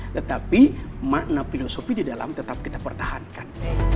tetapi makna filosofi di dalam tetap kita pertahankan